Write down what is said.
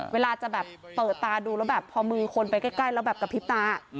เวลาจะแบบเปิดตาดูแล้วแบบพอมือคนไปใกล้แล้วแบบกระพริบตา